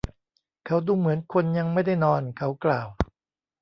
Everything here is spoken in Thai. “เขาดูเหมือนคนยังไม่ได้นอน” เขากล่าว